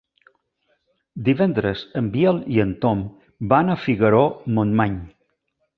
Divendres en Biel i en Tom van a Figaró-Montmany.